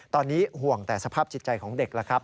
ตอนนี้ห่วงแต่สภาพจิตใจของเด็กแล้วครับ